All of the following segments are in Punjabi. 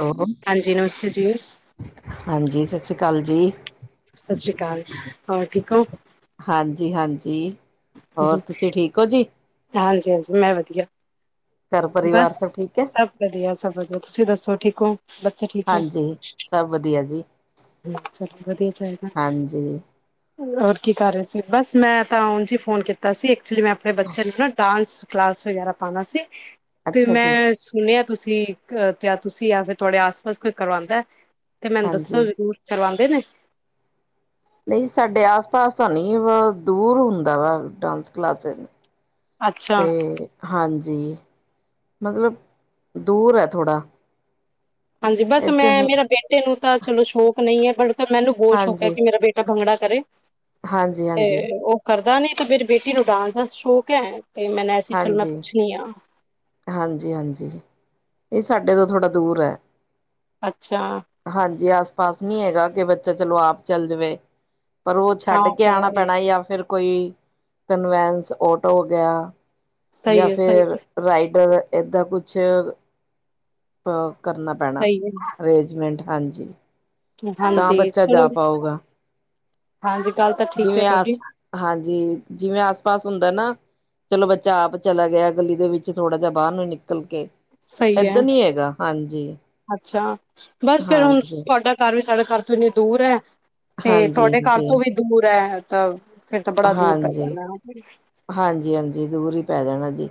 ਹੈਲੋ, ਹਾਂਜੀ ਨਮਸਤੇ ਜੀ ਹਾਂਜੀ ਸਤਿ ਸ੍ਰੀ ਅਕਾਲ ਜੀ। ਸਸ ਸ੍ਰੀ ਕਾਲ, ਹੋਰ ਠੀਕ ਹੋ? ਹਾਂਜੀ-ਹਾਂਜੀ। ਹਾਂਜੀ-ਹਾਂਜੀ ਮੈਂ ਵਧੀਆ। ਘਰ ਬਸ ਪਰਿਵਾਰ ਸਭ ਠੀਕ ਹੈ ਸਭ ਵਧੀਆ ਸਭ ਵਧੀਆ, ਤੁਸੀਂ ਦੱਸੋ ਠੀਕ ਹੋ, ਬੱਚੇ ਠੀਕ ਨੇ? ਜੀ ਸਭ ਵਧੀਆ ਜੀ। [unintelligible] ਵਧੀਆ ਹੀ ਚਾਹੀਦਾ। ਹਾਂਜੀ। ਹੋਰ ਕੀ ਕਰ ਰਹੇ ਸੀ ਬਸ ਮੈਂ ਤਾਂ ਉਝ ਹੀ ਫੋਨ ਕੀਤਾ ਸੀ ਐਕਚੁਲੀ ਮੈਂ ਆਪਣੇ ਬੱਚੇ ਨੂੰ ਨਾ ਡਾਂਸ ਕਲਾਸ ਵਗੈਰਾ ਪਾਣਾ ਸੀ ਤੇ ਅੱਛਾ ਜੀ ਮੈਂ ਸੁਣਿਆ ਤੁਸੀਂ ਕਿਆ ਤੁਸੀਂ ਯਾ ਫਿਰ ਤੁਹਾਡੇ ਆਸ ਪਾਸ ਕੋਈ ਕਰਵਾਉਂਦਾ ਤੇ ਮੈਨ ਦੱਸੋ ਹਾਂਜੀ ਜ਼ਰੂਰ। ਕਰਵਾਂਦੇ ਨੇ? ਨਈ ਸਾਡੇ ਆਸ ਪਾਸ ਤਾਂ ਨਹੀਂ ਵਾ ਦੂਰ ਹੁੰਦਾ ਵਾ ਡਾਂਸ ਕਲਾਸਿਸ। ਅੱਛਾ ਤੇ ਹਾਂਜੀ ਮਤਲਬ ਦੂਰ ਏ ਥੋੜਾ। ਹਾਂਜੀ ਬਸ ਇੱਧਰ ਮੈਂ ਨਹੀਂ ਮੇਰਾ ਬੇਟੇ ਨੂੰ ਤਾਂ ਚਲੋ ਸ਼ੌਕ ਨਈ ਐ ਬਟ ਮੈਨੂੰ ਬਹੁਤ ਸ਼ੌਕ ਐ ਹਾਂਜੀ ਕਿ ਮੇਰਾ ਬੇ ਭੰਗੜਾ ਕਰੇ ਹਾਂਜੀ ਤੇ ਹਾਂਜੀ ਉਹ ਕਰਦਾ ਨੀ ਤੇ ਮੇਰੀ ਬੇਟੀ ਨੂੰ ਡਾਂਸ ਦਾ ਸ਼ੌਕ ਐ। ਤੇ ਮੈਂ ਐ ਸੀ ਚੱਲ ਮੈਂ ਪੁੱਛਣੀ ਆ। ਹਾਂਜੀ-ਹਾਂਜੀ ਨਈ ਸਾਡੇ ਤੋਂ ਥੋੜ੍ਹਾ ਦੂਰ ਐ। ਅੱਛਾ। ਹਾਂਜੀ ਆਸ ਪਾਸ ਨੀ ਹੈਗਾ ਕਿ ਬੱਚਾ ਚਲੋ ਆਪ ਚੱਲ ਜਾਵੇ। ਪਰ ਉਹ ਹਾਂ ਛੱਡ ਕੇ ਤਾਂ ਆਣਾ ਹੈ ਪੈਣਾ ਯਾ ਫਿਰ ਕੋਈ ਕਨਵੈਂਸ ਓਟੋ ਹੋ ਗਿਆ ਯਾ ਸਹੀ ਹੈ ਸਹੀ ਫਿਰ ਹੈ, ਰਾਈਡਰ ਏਦਾਂ ਕੁਛ ਅ ਕਰਨਾ ਪੈਣਾ ਸਹੀ ਹੈ ਅਰੇਜਮੈਂਟ ਹਾਂਜੀ। ਤਾਂ ਹਾਂਜੀ ਬੱਚਾ ਚਲੋ ਜਾ ਪਾਊਗਾ, ਹਾਂਜੀ ਗੱਲ ਤਾਂ ਠੀਕ ਹੈ ਜਿਵੇਂ ਤੁਹਾਡੀ ਆਸ ਹਾਂਜੀ ਜਿਵੇਂ ਆਸ ਪਾਸ ਹੁੰਦਾ ਨਾ ਚਲੋ ਬੱਚਾ ਆਪ ਚਲਾ ਗਿਆ ਗਲੀ ਦੇ ਵਿੱਚ ਥੋੜ੍ਹਾ ਜਿਹਾ ਬਾਰ ਨੂੰ ਹੀ ਨਿਕਲ ਕੇ। ਸਹੀ ਐ, ਏਦਾਂ ਨੀ ਹੈਗਾ ਹਾਂਜੀ ਅੱਛਾ ਬਸ ਫੇਰ ਹੁਣ ਹਾਂਜੀ ਤੁਹਾਡਾ ਘਰ ਵੀ ਸਾਡੇ ਘਰ ਤੋਂ ਇੰਨੀ ਦੂਰ ਐ, ਤੇ ਹਾਂਜੀ ਤੁਹਾਡੇ ਘਰ ਹਾਂਜੀ ਤੋਂ ਵੀ ਦੂਰ ਐ ਤਾਂ ਫੇਰ ਤਾਂ ਬੜਾ ਦੂਰ ਪੈ ਜਾਣਾ [unintelligible] ਹਾਂਜੀ-ਹਾਂਜੀ ਦੂਰ ਹੀ ਪੈ ਜਾਣਾ ਜੀ।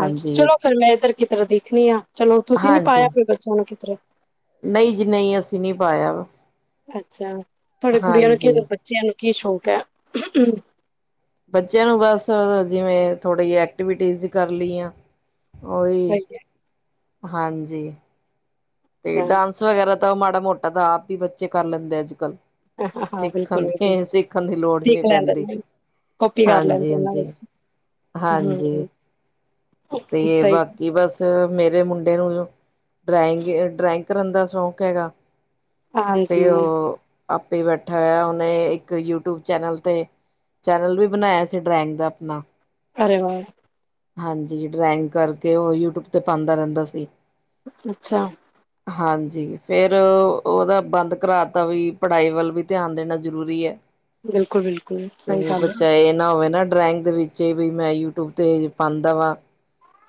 ਹਾਂਜੀ ਚਲੋ ਫਿਰ ਮੈਂ ਇੱਧਰ ਕਿਧਰੇ ਦੇਖਣੀ ਆ ਚਲੋ ਤੁਸੀਂ ਨੀ ਪਾਇਆ ਫਿਰ ਬੱਚਿਆ ਨੂੰ ਕਿਧਰੇ। ਨਈ ਜੀ ਨਈ ਅਸੀਂ ਨੀ ਪਾਇਆ। ਅੱਛਾ ਤੁਹਾਡੇ ਕੁੜੀਆਂ ਨੂੰ ਕੀ ਹਾਂਜੀ ਬੱਚਿਆਂ ਨੂੰ ਕੀ ਸ਼ੌਕ ਹੈ? ਬੱਚਿਆਂ ਨੂੰ ਬਸ ਜਿਵੇਂ ਥੋੜੇ ਜੇ ਐਕਟੀਵਿਟੀਜ ਕਰ ਲਈਆ ਉਹੀ ਸਹੀ ਹੈ ਹਾਂਜੀ ਤੇ ਅੱਛਾ ਡਾਂਸ ਵਗੈਰਾ ਤਾਂ ਉਹ ਮਾੜਾ ਮੋਟਾ ਤਾਂ ਆਪ ਹੀ ਬੱਚੇ ਕਰ ਲੈਂਦੇ ਅੱਜ ਕੱਲ। ਹਾਂ ਸਿੱਖਣ ਬਿਲਕੁਲ ਬਿਲਕੁਲ ਦੀ ਸਿੱਖਣ ਦੀ ਲੋੜ ਹੀ ਨੀ ਸਿੱਖ ਲੈਂਦੇ ਪੈਂਦੀ। ਨੇ ਕਾਪੀ ਕਰ ਲੈਂਦੇ ਉਹਨਾਂ ਹਾਂਜੀ-ਹਾਂਜੀ, ਵਿੱਚ ਹਾਂਜੀ। ਹਮ ਤੇ ਸਹੀ ਬਾਕੀ ਬਸ ਮੇਰੇ ਮੁੰਡੇ ਨੂੰ ਡਰਾਇੰਗ, ਡਰਾਇੰਗ ਕਰਨ ਦਾ ਸ਼ੌਕ ਹੈਗਾ। ਹਾਂਜੀ ਤੇ ਉਹ ਆਪੇ ਬੈਠਾ ਹੋਇਆ ਉਹਨੇ ਇੱਕ ਯੂਟਿਊਬ ਚੈਨਲ ਤੇ ਚੈਨਲ ਵੀ ਬਣਾਇਆ ਸੀ ਡਰਾਇੰਗ ਦਾ ਆਪਨਾ। ਅਰੇ ਵਾ। ਹਾਂਜੀ ਡਰਾਇੰਗ ਕਰਕੇ ਉਹ ਯੂਟਿਊਬ ਤੇ ਪਾਦਾ ਰਹਿੰਦਾ ਸੀ। ਅੱਛਾ। ਹਾਂਜੀ, ਫੇਰ ਉਹਦਾ ਬੰਦ ਕਰਾਤਾ ਵੀ ਪੜ੍ਹਾਈ ਵੱਲ ਵੀ ਧਿਆਨ ਦੇਣਾ ਜ਼ਰੂਰੀ ਐ। ਬਿਲਕੁਲ ਬਿਲਕੁਲ ਸਹੀ ਤੇ, ਗੱਲ ਹੈ ਬੱਚਾ ਇਹ ਨਾ ਹੋਵੇ ਨਾ ਡਰਾਇੰਗ ਦੇ ਵਿੱਚ ਵੀ, ਮੈਂ ਯੂਟਿਊਬ 'ਤੇ ਪਾਂਦਾ ਵਾ।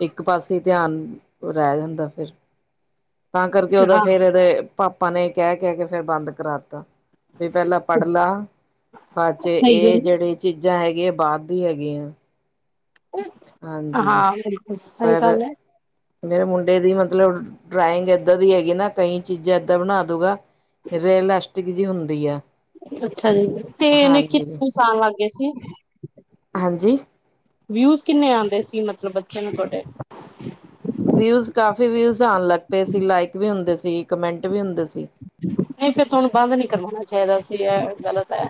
ਇੱਕ ਪਾਸੇ ਧਿਆਨ ਰਹਿ ਜਾਂਦਾ ਫਿਰ, ਤਾਂ ਕਰਕੇ ਉਹਦਾ ਹਾਂ ਫਿਰ ਇਹਦੇ ਪਾਪਾ ਨੇ ਕਹਿ-ਕਹਿਕੇ, ਫੇਰ ਬੰਦ ਕਰਾਤਾ। ਵੀ ਪਹਿਲਾਂ ਪੜ੍ਹ ਲਾ ਬਾਦ'ਚ ਸਹੀ ਇਹ ਗੱਲ ਜਿਹੜੀ ਚੀਜ਼ਾਂ ਹੈਗੀਆਂ, ਬਾਹਰ ਦੀ ਹੈਗੀਆਂ। ਹਾਂਜੀ, ਹਾਂ ਬਿਲਕੁਲ ਸਹੀ ਫਿਰ ਗੱਲ ਹੈ ਮੇਰੇ ਮੁੰਡੇ ਦੀ ਮਤਲਬ ਡਰਾਇੰਗ ਏਦਾਂ ਦੀ ਹੈਗੀ ਨਾ, ਕਈ ਚੀਜ਼ਾਂ ਏਦਾਂ ਬਣਾ ਦੂਗਾ ਰੀਇਲਾਸਟਿਕ ਦੀ ਹੁੰਦੀ ਆ। ਅੱਛਾ ਜੀ, ਤੇ ਇਹਨੇ ਹਾਂਜੀ ਕਿਨੇ ਸਾਲ ਲੱਗਗੇ ਸੀ? ਹਾਂਜੀ ਵਿਊਜ਼ ਕਿੰਨੇ ਆਦੇ ਸੀ, ਮਤਲਬ ਬੱਚਿਆ ਨੂੰ ਤੁਹਾਡੇ? ਵਿਊਜ਼ ਕਾਫੀ ਵਿਊਜ਼ ਆਣ ਲੱਗ ਪਏ ਸੀ, ਲਾਈਕ ਵੀ ਹੁੰਦੇ ਸੀ ਕਮੈਂਟ ਵੀ ਹੁੰਦੇ ਸੀ। ਨਹੀਂ ਫਿਰ ਤੁਹਾਨੂੰ ਬੰਦ ਨਹੀਂ ਕਰਵਾਉਣਾ ਚਾਹੀਦਾ ਸੀ, ਐ ਗ਼ਲਤ ਐ।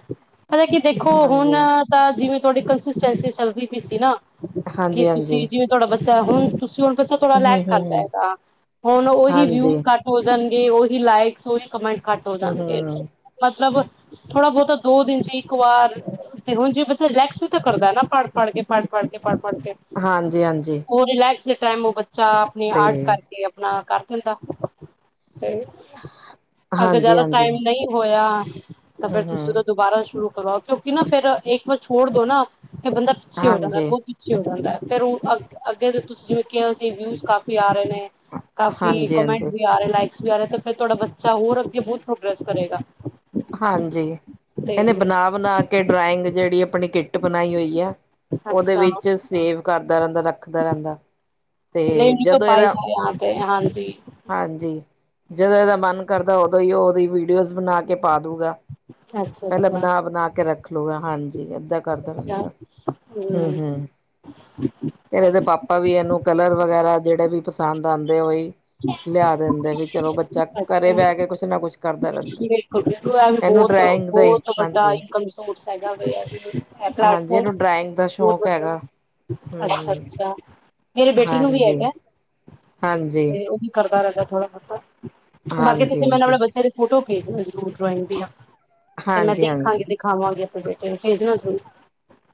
ਪਤਾ ਕੀ ਦੇਖੋ, ਹੁਣ ਹਾਂਜੀ ਤਾਂ ਜਿਵੇਂ ਤੁਹਾਡੀ ਕੰਸਿਸਟੈਂਸੀ ਚੱਲਦੀ ਪਈ ਸੀ ਨਾ ਕਿ ਹਾਂਜੀ ਤੁਸੀਂ, ਹਾਂਜੀ ਜਿਵੇਂ ਤੁਹਾਡਾ ਬੱਚਾ ਹੁਣ ਤੁਸੀਂ ਹੁਣ ਬੱਚਾ ਥੋੜਾ ਹਮ ਲੈਕ ਕਰ ਹਮ ਹਮ ਜਾਏਗਾ। ਹੁਨ ਓਹੀ ਹਾਂਜੀ ਵਿਊਸ ਘੱਟ ਹੋ ਜਾਣਗੇ, ਓਹੀ ਲਾਈਕ ਓਹੀ ਕਮੈਂਟ ਘੱਟ ਹੋ ਹਮ ਜਾਣਗੇ। ਹਮ ਮਤਲਬ, ਥੋੜਾ-ਬਹੁਤਾ ਦੋ ਦਿਨ'ਚ ਇੱਕ ਵਾਰ। ਤੇ ਹੁਣ ਜੇ ਬੱਚਾ ਰਿਲੈਕਸ ਵੀ ਤਾਂ ਕਰਦਾ ਨਾ ਪੜ-ਪੜਕੇ, ਪੜ-ਪੜਕੇ, ਪੜ-ਪੜਕੇ। ਹਾਂਜੀ ਹਾਂਜੀ ਓਹ ਰਿਲੈਕਸ ਦੇ ਟਾਈਮ ਉਹ ਬੱਚਾ, ਆਪਣੇ ਤੇ ਆਰਟ ਕਰਕੇ ਨਾ ਕਰ ਦਿੰਦਾ, ਤੇ ਅਗਰ ਹਾਂਜੀ ਜ਼ਿਆਦਾ ਹਾਂਜੀ ਟਾਈਮ ਨਹੀਂ ਹੋਇਆ, ਤਾਂ ਫੇਰ ਹਮ ਤੁਸੀਂ ਓਦਾ ਹਮ ਦੁਬਾਰਾ ਸ਼ੁਰੂ ਕਰਵਾਓ, ਕਿਉਂਕਿ ਨਾ ਫਿਰ ਇੱਕ ਵਾਰ ਛੋੜਦੋ ਨਾ, ਫੇਰ ਬੰਦਾ ਪਿੱਛੇ ਹੋ ਜਾਂਦਾ ਹਾਂਜੀ ਪਿੱਛੇ ਹੋ ਜਾਂਦਾ, ਫੇਰ ਓ ਅੱਗੇ ਦੇ ਤੁਸੀਂ ਜਿਵੇਂ ਕਿਹਾ ਵਿਊਜ ਕਾਫੀ ਆ ਰਹੇ ਨੇ ਕਾਫੀ ਹਾਂਜੀ ਕਮੈਂਟ ਹਾਂਜੀ ਵੀ ਆ ਰਹੇ, ਲਾਈਕਸ ਵੀ ਆ ਰਹੇ, ਤੇ ਫਿਰ ਥੋਡਾ ਬੱ ਚਾ, ਹੋਰ ਅੱਗੇ ਬਹੁਤ ਪ੍ਰੋਗਰਸ ਕਰੇਗਾ। ਹਾਂਜੀ, ਤੇ ਇਹਨੇ ਬਨਾ-ਬਨਾਕੇ ਡਰਾਇੰਗ ਜਿਹੜੀ ਅਪਣੀ ਕਿੱਟ ਬਣਾਈ ਹੋਈ ਆ, ਉਹਦੇ ਅੱਛਾ ਵਿੱਚ ਸੇਵ ਕਰਦਾ ਰਹਿੰਦਾ, ਰੱਖਦਾ ਰਹਿੰਦਾ। ਤੇ [unintelligible] ਕੋ ਜਦੋਂ ਪਾਈ ਇਹਦਾ ਜਾਏ ਆ ਪੇ ਹਾਂਜੀ ਹਾਂਜੀ, ਜਦੋਂ ਇਹਦਾ ਮਨ ਕਰਦਾ ਉਦੋਂ ਹੀ ਉਹਦੀ ਵੀਡੀਓਜ਼ ਬਣਾਕੇ ਪਾ ਦੂਗਾ। ਅੱਛਾ ਪਹਿਲਾ ਅੱਛਾ ਬਣਾ-ਬਣਾਕੇ ਰੱਖ ਲੁਗਾ, ਹਾਂਜੀ ਏਦਾਂ ਕਰਦਾ ਅੱਛਾ ਰਹਿੰਦਾ, ਹੂੰ, ਹਮ ਹੂੰ ਫਿਰ ਇਹਦੇ ਪਾਪਾ ਵੀ ਇਹਨੂੰ ਕਲਰ ਵਗੈਰਾ ਜਿਹੜੇ ਵੀ ਪਸੰਦ ਆਂਦੇ ਆ, ਓਈ ਲਿਆ ਦਿੰਦੇ, ਵੀ ਚਲੋ ਬੱਚਾ ਘਰੇ ਅੱਛਾ ਬਹਿਕੇ ਕੁਛ ਨਾ ਕੁਛ ਕਰਦਾ ਰਹਿੰਦਾ। ਐਵੀ ਇਹਨੂੰ ਬਹੁਤ, ਡਰਾਇੰਗ ਦਾ ਹੀ ਬਹੁਤ ਵੱਡਾ ਹਾਂਜੀ ਇਨਕਮ ਸੋਰਸ ਹੈਗਾ, ਐ ਹਾਂਜੀ ਪਲੈਟਫੋਮ ਇਹਨੂੰ ਡਰਾਇੰਗ ਦਾ ਸ਼ੌਕ ਹੈਗਾ। ਹੂੰ-ਹੂੰ, ਅੱਛਾ-ਅੱਛਾ, ਮੇਰੇ ਬੇਟੀੇ ਨੂੰ ਵੀ ਹਾਂਜੀ, ਹੈਗਾ। ਹਾਂਜੀ, ਹਾਂਜੀ, ਤੇ ਉਹ ਵੀ ਕਰਦਾ ਰਹਿੰਦਾ ਥੋੜਾ-ਬਹੁਤਾ, ਬਾਕੀ ਤੁਸੀਂ ਮੈਨੂੰ ਹਾਂਜੀ। ਆਪਣੇ ਬੱਚਿਆਂ ਦੀ ਫੋਟੋ ਪੇਜਣਾ ਜ਼ਰੂਰ ਡਰਾਇੰਗ ਦੀਆਂ, ਤੇ ''ਮੈਂ ਹਾਂਜੀ, ਹਾਂਜੀ, ਦੇਖਾਂਗੀ ਦਿਖਾਵਾਂਗੀ ਆਪਣੇ ਬੇਟੇ ਨੂੰ, ਭੇਜਣਾ ਜਰੂਰ।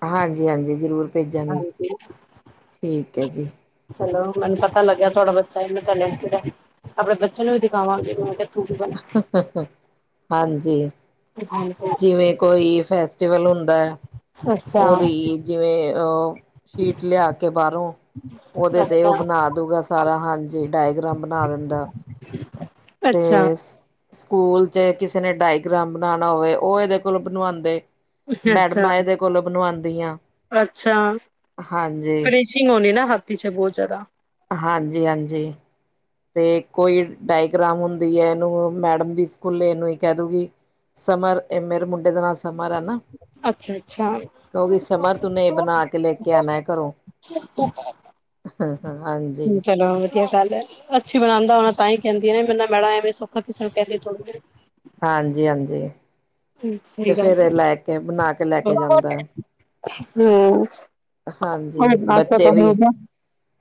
ਹਾਂਜੀ-ਹਾਂਜੀ, ਜ਼ਰੂਰ ਭੇਜਾਂਗੀ ਹਾਂਜੀ ਠੀਕ ਹੈ ਜੀ। ਚਲੋ, ਮਨੂੰ ਪਤਾ ਲੱਗਿਆ ਥੋੜਾ-ਬਹੁਤ ਚਾਹੇ ਮੈਂ ਪਹਿਲੇ [unintelligible] ਆਪਣੇ ਬੱਚਿਆਂ ਨੂੰ ਵੀ ਦਿਖਾਵਾਂਗੀ, ਮੈਂ ਕਿਹਾ ਤੂੰ ਵੀ ਬਣਾ। ਹਾਂਜੀ। ਹਾਂਜੀ। ਜਿਵੇਂ ਕੋਈ ਫੈਸਟੀਵਲ ਹੁਨ ਹੂੰਦਾ ਏ, ਅੱਛਾ-ਅੱਛਾ ਉਹਦੀ ਜਿਵੇਂ ਅ ਸ਼ੀਟ ਲਿਆ ਕੇ ਬਾਹਰੋਂ ਉਹਦੇ ਤੇ ਉਹ ਬਣਾ ਦੂਗਾ ਸਾਰਾ ਹਾਂਜੀ ਡਾਇਗ੍ਰਾਮ ਬਣਾ ਦਿੰਦਾ। ਅੱਛਾ ਤੇ ਸਕੂਲ ਚ ਕਿਸੇ ਨੇ ਡਾਇਗ੍ਰਾਮ ਬਣਾਉਣਾ ਹੋਵੇ, ਉਹ ਇਹਦੇ ਕੋਲ ਬਣਵਾਉਂਦੇ। ਅੱਛਾ ਮੈਡਮਾਂ ਇਹਦੇ ਕੋਲੋਂ ਬਣਵਾਉਂਦੀਆਂ। ਅੱਛਾ ਹਾਂਜੀ, ਫ੍ਰਸ਼ਿੰਗ ਹੋਣੀ ਨਾ ਹੱਥ ਚ ਬਹੁਤ ਜ਼ਿਆਦਾ। ਹਾਂਜੀ, ਹਾਂਜੀ ਤੇ ਕੋਈ ਡਾਇਗ੍ਰਾਮ ਹੁੰਦੀ ਹੈ, ਇਹਨੂੰ ਮੈਡਮ ਵੀ ਸਕੂਲੇ ਇਹਨੂੰ ਹੀ ਕਹਿ ਦੂਗੀ। ਸਮਰ ਮੇਰੇ ਮੁੰਡੇ ਦਾ ਨਾਲ ਸਮਰ ਐ ਨਾ। ਅੱਛਾ, ਅੱਛਾ ਕਹੋਗੀ ਸਮਰ ਤੂੰਨੇ ਇਹ ਬਣਾ ਕੇ ਲੈ ਕੇ ਆਣਾ ਹੈ ਘਰੋਂ ਹਾਂਜੀ। ਵਧੀਆ ਗੱਲ ਐ। ਅੱਛੀ ਬਣਾਉਂਦਾ ਹੋਣਾ ਤਾਂ ਹੀ ਕਹਿੰਦੀ ਐ ਨਾ ਇਵੇ ਮੈਡਮਾ ਐਵੇਂ ਸੌਖਾ ਕਿਸੇ ਨੂੰ ਕਹਦੀ ਥੋੜੀ ਨੇ ਹਾਂਜੀ, ਹਾਂਜੀ, ਸਹੀ ਤੇ ਗੱਲ ਫੇਰ ਏ ਹੈ। ਲੈ ਕੇ ਬਣਾ ਕੇ ਲੈ ਕੇ ਜਾਂਦਾ। ਹਾਂਜੀ ਬੱਚੇ ਵੀ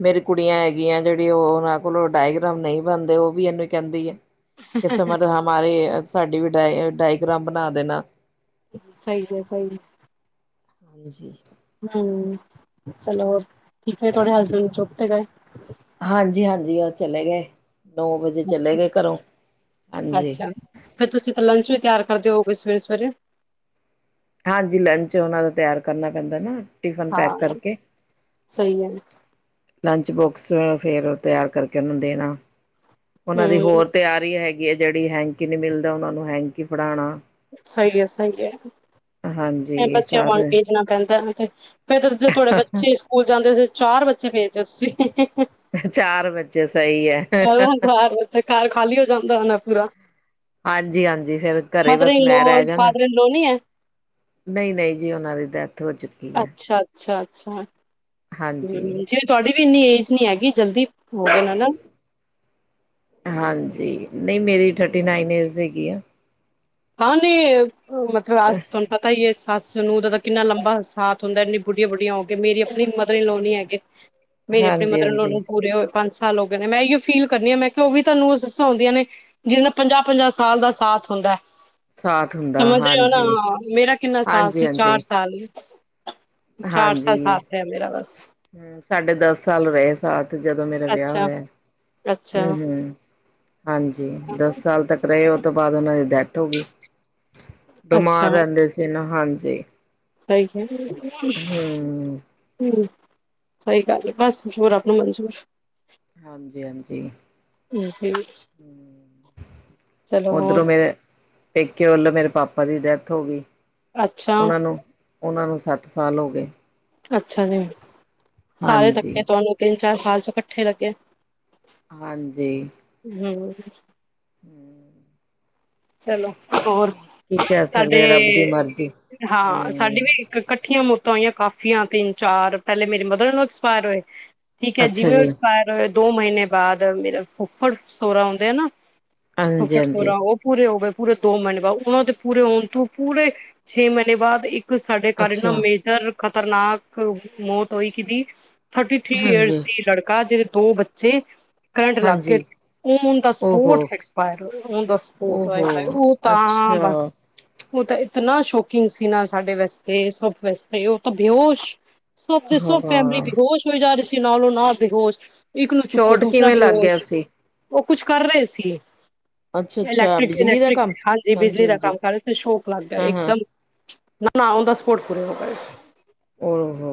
ਮੇਰੀ ਕੁੜੀਆਂ ਹੈਗੀਆਂ ਜਿਹੜੀ ਉਹ ਉਹਨਾਂ ਕੋਲੋਂ ਡਾਇਗ੍ਰਾਮ ਨਹੀਂ ਬਣਦੇ ਉਹ ਵੀ ਇਹਨੂੰ ਕਹਿੰਦੀ ਹੈ। ਕਿ ਸਮਰ ਹਮਾਰੇ ਸਾਡੀ ਵੀ ਡਾਇ-ਡਾਇਗ੍ਰਾਮ ਬਣਾ ਦੇਣਾ। ਸਹੀ ਹੈ ਸਹੀ। ਹਾਂਜੀ। ਹੂੰ ਚਲੋ ਠੀਕ ਹੈ, ਤੁਹਾਡੇ ਹਸਬੈਂਡ ਜੋਬ ਤੇ ਗਏ? ਹਾਂਜੀ, ਹਾਂਜੀ ਉਹ ਚਲੇ ਗਏ, ਨੌ ਵਜੇ ਚਲੇ ਅੱਛਾ ਗਏ ਘਰੋਂ, ਹਾਂਜੀ। ਅੱਛਾ ਫੇਰ ਤੁਸੀਂ ਤਾਂ ਲੰਚ ਵੀ ਤਿਆਰ ਕਰਦੇ ਹੋਵੋ ਗੇ ਸਵੇਰੇ-ਸਵੇਰੇ? ਹਾਂਜੀ, ਲੰਚ ਉਹਨਾਂ ਦਾ ਤਿਆਰ ਕਰਨਾ ਪੈਂਦਾ ਮੈਨੂੰ। ਹਾਂ, ਸਹੀ ਏ। ਹਾਜੀ ਲੰਚ ਬੋਕਸ ਫੇਰ ਤਿਆਰ ਕਰਕੇ ਉਹਨੂੰ ਦੇਣਾ, ਉਹਨਾਂ ਦੀ ਹਮ ਹੋਰ ਤਿਆਰੀ ਹੈਗੀ ਹੈ ਜਿਹੜੀ ਹੈਂਕੀ ਨੀ ਮਿਲਦਾ ਉਹਨਾਂ ਨੂੰ ਹੈਂਕੀ ਫਣਾਣਾ। ਸਹੀ ਹੈ, ਸਹੀ ਹੈ। ਹਾਂਜੀ ਬੱਚਿਆਂ ਵਾਗ ਸਾਰੇ ਕਿਸੇ ਨਾਲ ਗੱਲ ਕਰ ਲਿਤੀ, ਫਿਰ ਜੇ ਤੁਹਾਡੇ ਬੱਚੇ ਸਕੂਲ ਜਾਂਦੇ ਸੀ, ਚਾਰ ਬੱਚੇ ਭੇਜਦੇ ਤੁਸੀਂ ਚਾਰ ਬੱਚੇ ਸਹੀ ਹੈ। ਫੇਰ ਘਰ ਖਾਲੀ ਹੋ ਜਾਂਦਾ ਹੋਣਾ ਪੂਰਾ? ਹਾਂਜੀ, ਹਾਂਜੀ ਫੇਰ ਘਰੇ ਮਦਰ ਬਸ ਇਨ ਲੋ ਮੈਂ ਰਹਿ ਜਾਣਾ। ਫਾਦਰ ਇਨ ਲੋ ਨੀ ਹੈ। ਨਈ ਨਈ ਜੀ ਉਹਨਾਂ ਦੀ ਡੈਥ ਹੋ ਚੁੱਕੀ ਹੈ ਅੱਛਾ, ਅੱਛਾ, ਅੱਛਾ। ਹੂੰ ਹਾਂਜੀ ਜਿਵੇਂ ਤੁਹਾਡੀ ਵੀ ਇੰਨੀ ਏਜ ਨਹੀਂ ਹੈਗੀ ਜਲਦੀ ਹੋਗੇ ਹਨਾ। ਹਾਂਜੀ, ਨਹੀਂ ਮੇਰੀ ਥਰਟੀ ਨਾਈਨ ਏਜ ਹੈਗੀ ਐ। [unintelligible] ਏ ਪੂਰੀ ਕਲਾਸ ਵਿੱਚੋ ਪਤਾ ਹੀ ਏ ਸੱਸ ਨੂੰ ਕਿੰਨਾ ਲੰਬਾ ਸਾਥ ਹੁੰਦਾ ਐੰਨੀ ਬੁੱਢੀਆਂ -ਬੁੱਢੀਆਂ ਹੋ ਕੇ ਮੇਰੀ ਆਪਣੀ ਮਦਰ ਇਨ ਲੋ ਨੀ ਹੈਗੇ। ਮੇਰੀ ਆਪਣੀ ਹਾਂਜੀ ਮਦਰ ਇਨਲੋ ਹਾਂਜੀ ਨੂੰ ਪੂਰੇ ਹੋ ਪੰਜ ਸਾਲ ਹੋ ਗਏ ਨੇ, ਮੈਂ ਏਓ ਫੀਲ ਕਰਨੀ ਮੈਂ ਕਿਹਾ ਉਹ ਵੀ ਤਾ ਨੂੰਆ ਸੱਸਾ ਹੁੰਦੀਆਂ ਨੇ ਜਿਨਦਾ ਪੰਜਾਹ, ਪੰਜਾਹ ਸਾਲ ਦਾ ਸਾਥ ਹੁੰਦਾ ਐ। ਸਾਥ ਹੁੰਦਾ ਸਮਝ ਹਾਂਜੀ ਏਲੋ ਮੇਰਾ ਕਿੰਨਾ ਸਾਥ ਹਾਂਜੀ ਸੀ ਚਾਰ ਹਾਂਜੀ ਸਾਲ ਈ। ਹਾਂਜੀ, ਬਸ ਹੂੰ ਸਾਡੇ ਦਸ ਸਾਲ ਰਹੇ ਸਾਥ। ਤੇ ਜਦੋਂ ਮੇਰਾ ਵਿਆਹ ਅੱਛਾ ਹੋਇਆ। ਅੱਛਾ ਹੂੰ ਹੂੰ ਹਾਂਜੀ। ਦਸ ਸਾਲ ਤੱਕ ਰਹੇ ਉਹ ਤੋਂ ਬਾਅਦ ਉਹਨਾਂ ਦੀ ਡੈਥ ਹੋ ਗਈ। ਅੱਛਾ ਬਿਮਾਰ ਰਹਿੰਦੇ ਸੀ ਨਾ, ਹਾਂਜੀ। ਸਹੀ [unintelligible] ਹੂੰ। ਹਮ। ਸਈ ਗਲ ਆ ਬਸ ਜੋ ਰੱਬ ਨੂੰ ਮਨਜੂਰ। ਹਾਂਜੀ-ਹਾਂਜੀ। ਜੀ ਚਲੋ ਓਧਰੋਂ ਹੋਰ ਮੇਰੇ ਪੇਕੇਆ ਵੱਲੋਂ ਮੇਰੇ ਪਾਪਾ ਦੀ ਡੈਥ ਹੋ ਗਈ, ਅੱਛਾ, ਓਹਨਾਂ ਨੂੰ ਓਹਨਾਂ ਨੂੰ ਸੱਤ ਸਾਲ ਹੋ ਗਏ। ਅੱਛਾ ਜੀ, ਸਾਰੇ ਧੱਕੇ ਤੁਹਾਨੂੰ ਤਿੰਨ-ਚਾਰ ਸਾਲ ਚ' ਇਕੱਠੇ ਲੱਗੇ। ਹਾਂਜੀ। ਹਮ। ਚਲੋ ਹੋਰ, ਕੀ ਕਹਿ ਸਾਡੇ ਸਕਦੇ ਆ ਰੱਬ ਦੀ ਮਰਜ਼ੀ। ਹਾਂ, ਸਾਡੀ ਹੂੰ, ਵੀ ਫੇਰ ਕੱਠੀਆਂ ਮੌਤਾਂ ਹੋਈਆਂ ਕਾਫੀ ਆ, ਤਿੰਨ-ਚਾਰ ਪੇਲੇ ਮੇਰੇ ਮਦਰ ਇਨ ਲਾ ਐਕਸਪਾਏਰ ਹੋਏ। ਠੀਕ ਆ ਜੀ, ਜਿਵੇਂ ਓ ਐਕਸਪਾਇਰ ਹੋਏ ਦੋ ਮਹੀਨੇ ਬਾਅਦ ਮੇਰਾ ਫੁੱਫੜ ਸੋਰਾ ਹੁੰਦੇ ਹਨਾ, ਫੁੱਫੜ ਹਾਂਜੀ-ਹਾਂਜੀ, ਸੋਰਾ ਓ, ਪੂਰੇ ਹੋ ਗਏ, ਪੂਰੇ ਦੋ ਮਹੀਨੇ ਬਾਅਦ, ਉਹਨਾਂ ਦੇ ਪੂਰੇ ਹੋਣ ਤੋਂ ਪੂਰੇ ਛੇ ਮਹੀਨੇ ਬਾਅਦ ਇੱਕ ਕੇ ਸਾਡੇ ਘਰ ਏਨਾ ਅੱਛਾ। ਮੇਜਰ ਖ਼ਤਰਨਾਕ ਮੌਤ ਹੋਈ ਕਿਦੀ ਥਰਟੀ ਥ੍ਰਰੀ ਈਅਰਸ ਸੀ ਹਾਂਜੀ-ਹਾਂਜੀ, ਲੜਕਾ, ਜਿਦੇ ਦੋ ਬੱਚੇ ਕਰੰਟ ਲਗਕੇ ਔਨ ਦਾ ਓ ਸਪੋਰਟ ਹੋ। ਐਕਸਪਾਏਰ ਹੋਏ ਔਨ ਦਾ ਸਪੋ ਏ, ਏ ਓਹੋ ਉਹ ਤਾਂ। ਅੱਛਾ ਬਸ ਉਹ ਤਾਂ ਇਤਨਾ ਸ਼ੌਕਿੰਗ ਸੀ ਨਾ ਸਾਡੇ ਵਾਸਤੇ, ਸਭ ਵਾਸਤੇ, ਉਹ ਤਾਂ ਬੇਹਸ਼ ਸਭ ਦੇ ਸਭ ਫੈਮਿਲੀ ਹਾਂ ਬੇਹੋਸ਼ ਹੋਈ ਜਾ ਰਹੀ ਸੀ, ਨਾਲੋਂ- ਨਾਲ ਬੇਹੋਸ਼। ਇੱਕ ਨੂੰ ਚੁੱਕੋ ਸ਼ੋਟ ਦੂਸਰਾ ਕਿਵੇਂ ਲੱਗ ਗਿਆ ਬੇਹੋਸ਼, ਸੀ ਉਹ ਕੁਛ ਕਰ ਰਏ ਸੀ। ਅੱਛਾ ਅੱਛਾ ਬਿਜਲੀ ਦਾ ਇਲੈਕਟ੍ਰਿਕ-ਇਲੈਕਟ੍ਰਿਕ ਕੰਮ ਹਾਂਜੀ, ਬਿਜਲੀ ਦਾ ਹਾਂਜੀ ਕੰਮ ਕਰ ਰਏ ਸੀ, ਸ਼ੌਟ ਲੱਗ ਗੇਆ ਹਾਂ ਹਾਂ ਇੱਕਦਮ। ਨਾ-ਨਾ ਔਨਦਾਸਪੋਰਟ ਪੂਰੇ ਹੋ ਗਏ। ਓਹ ਹੋ।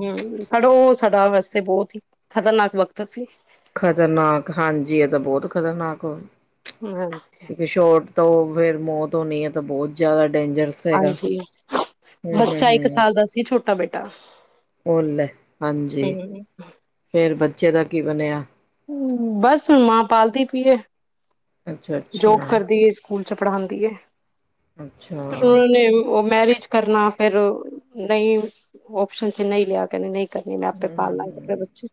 ਹਮ ਸਾਡਾ, ਓਹ ਸਾਡਾ, ਵੈਸੇ ਬੋਤ ਹੀ, ਖ਼ਤਰਨਾਕ ਵਕਤ ਸੀ। ਖ਼ਤਰਨਾਕ ਹਾਂਜੀ, ਏਹ ਤਾਂ ਬੋਤ ਖਤਰਨਾਕ ਹੋ ਹਾਂਜੀ। ਕਿਉਕੀ ਸ਼ੋਰਟ ਤੋਂ ਫੇਰ ਮੌਤ ਹੋਣੀ ਆ, ਏ ਤਾਂ ਬੋਤ ਜ਼ਾਦਾ ਡੇਂਜਰ ਸੀ। ਹਾਂਜੀ। ਬੱਚਾ ਇੱਕ ਸਾਲ ਦਾ ਸੀ, ਛੋਟਾ ਬੇਟਾ। ਓਹ ਲੈ ਹਾਂਜੀ। ਹਮ ਫੇਰ ਬੱਚੇ ਦਾ ਕੀ ਬਣੇਆ। ਹੂੰ ਬਸ ਹੁਣ ਮਾਂ ਪਾਲਦੀ ਪੂਈ ਏ, ਅੱਛਾ ਜੋਬ ਅੱਛਾ ਕਰਦੀ ਏ ਸਕੂਲ ਚ' ਪੜ੍ਹਾਦੀ ਏ, ਅੱਛਾ ਫੇਰ ਓਹਨਾਂ ਨੇ ਓ ਮੈਰਿਜ, ਕਰਨਾ ਫੇਰ ਨਈ ਓਪਸ਼ਨ ਚ' ਨਈ ਲੇਆ ਕੇ ਨਈ, ਕੇਂਦੀ ਮੈ ਆਪੇ ਪਾਲ ਲਾਂਗੀ ਆਪਣੇ ਬੱਚੇ।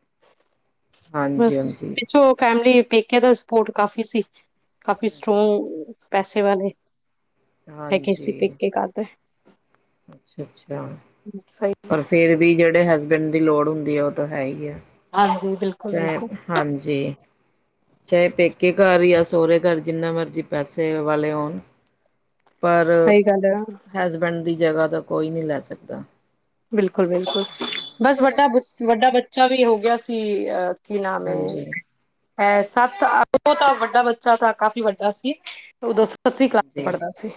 ਹਾਂਜੀ ਬਸ ਹਾਂਜੀ ਪਿੱਛੋ ਫੈਮਲੀ ਪੇਕੇਆਂ ਦਾ ਸਪੋਰਟ ਕਾਫ਼ੀ ਸੀ। ਕਾਫੀ ਸਟਰੋਂਗ ਪੈਸੇ ਵਾਲੇ ਹੈਗੇ ਸੀ, ਪੇਕੇ ਘਰਦੇ। ਅੱਛਾ-ਅੱਛਾ ਸਹੀ ਪਰ ਫੇਰ ਵੀ ਜੇਹੜੇ ਹਸਬੈਂਡ ਦੀ ਲੋੜ ਹੁੰਦੀ ਆ, ਉਹ ਤਾਂ ਹੈ ਹੀ ਆ, ਹਾਂਜੀ। ਬਿਲਕੁਲ ਤੇ ਬਿਲਕੁਲ ਹਾਂਜੀ। ਚਾਹੇ ਪੇਕੇ ਘਰ ਜਾਂ, ਸਹੁਰੇ ਘਰ, ਜਿੰਨਾ ਮਰਜ਼ੀ ਪੈਸੇ ਵਾਲੇ ਹੋਣ ਪਰ ਸਹੀ ਗੱਲ ਹੈ। ਹੈਸਬੈਂਡ ਦੀ ਜਗ੍ਹਾ ਤਾਂ ਕੋਈ ਨਈ ਲੈ ਸਕਦਾ। ਬਿਲਕੁਲ-ਬਿਲਕੁਲ ਬਸ ਵੱਡਾ ਬ ਵੱਡਾ ਬੱਚਾ ਵੀ ਹੋ ਗੇਆ ਸੀ, ਅ ਕੀ ਨਾਮ ਏ? ਹਾਂਜੀ ਐ ਸੱਤ-ਅੱਠ ਤੋ ਤਾ ਵੱਡਾ ਬੱਚਾ ਤਾਂ ਕਾਫ਼ੀ ਵੱਡਾ ਸੀ ਓਦੋਂ ਸੱਤਵੀਂ ਕਲਾਸ ਚ ਹਾਂਜੀ ਪੜ੍ਹਦਾ ਸੀ।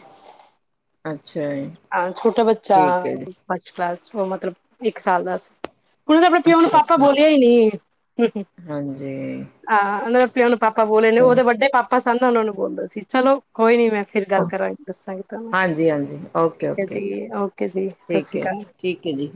ਅੱਛਾ ਜੀ। ਹਾਂ ਛੋਟਾ ਬੱਚਾ ਠੀਕ ਹੈ ਜੀ ਫਸਟ ਕਲਾਸ ਓ ਮਤਲਬ ਇੱਕ ਸਾਲ ਦਾ ਸੀ। ਕੁਨ ਤਾਂ ਪਿਓ ਨੂੰ ਅੱਛਾ ਪਾਪਾ ਅੱਛਾ ਬੋਲਿਆ ਹੀ ਨੀ ਹਮ ਹਾਂਜੀ ਹਾਂ, ਉਹਨਾਂ ਦਾ ਪਿਓਨੂੰ ਪਾਪਾ ਬੋਲੇ ਨੇ ਉਹਦੇ ਚਲੋ ਵੱਡੇ ਪਾਪਾ ਸਭ ਨੂੰ। ਉਹਨਾ ਨੂੰ ਬੋਲਦਾ ਸੀ ਚਲੋ ਕੋਈ ਨੀ, ਮੈਂ ਫਿਰ ਗੱਲ ਕਰਾਂਗੀ ਦੱਸਾਂਗੀ ਤੁਹਾਨੂੰ। ਹਾਂਜੀ- ਹਾਂਜੀ, ਠੀਕ ਓਕੇ- ਹੈ ਓਕੇ, ਜੀ ਓਕੇ ਜੀ ਸਤਿ ਠੀਕ ਸ਼੍ਰੀ ਹੈ, ਅਕਾਲ ਠੀਕ ਹੈ ਜੀ।